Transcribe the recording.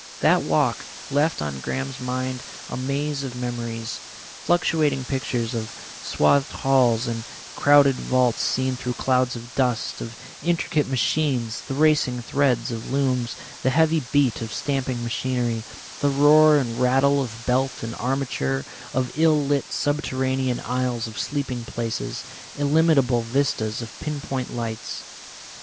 That walk left on Graham's mind a maze of memories, fluctuating pictures of swathed halls, and crowded vaults seen through clouds of dust, of intricate machines, the racing threads of looms, the heavy beat of stamping machinery, the roar and rattle of belt and armature, of ill lit subterranean aisles of sleeping places, illimitable vistas of pin point lights.